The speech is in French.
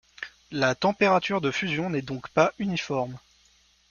La température de fusion n'est donc pas uniforme.